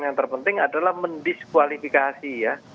yang terpenting adalah mendiskualifikasi ya